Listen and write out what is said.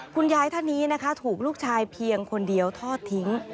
คุณยายท่านนี้นะคะถูกลูกชายเพียงคนเดียวทอดทิ้ง